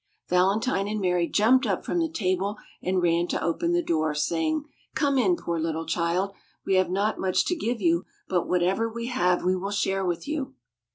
Valentine and Mary jumped up from the table and ran to open the door, saying: "Come in, poor little child! We have not much to give you, but whatever we have we will share with you."